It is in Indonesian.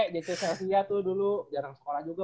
dc selsia tuh dulu jarang sekolah juga